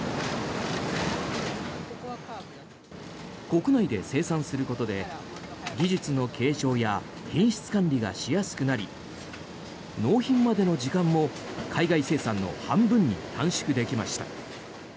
国内で生産することで技術の継承や品質管理がしやすくなり納品までの時間も海外生産の半分に短縮できました。